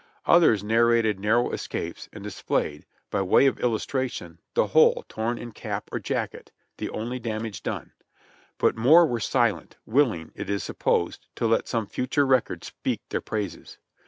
Others narrated narrow escapes and displayed, by way of illustration, the hole torn in cap or jacket, the only damage done; but more were silent, willing, it is supposed, to let some future record speak their praises.